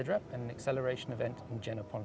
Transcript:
berapa lama telah anda menemukan